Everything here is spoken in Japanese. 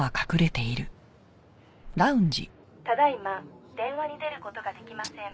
「ただ今電話に出る事ができません」